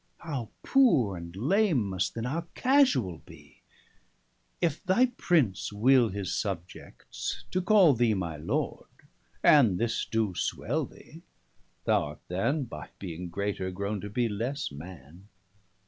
How poore and lame, must then our casuall bee? If thy Prince will his subjects to call thee My Lord, and this doe swell thee, thou art than, 475 By being greater, growne to bee lesse Man.